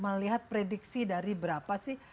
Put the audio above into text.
melihat prediksi dari berapa sih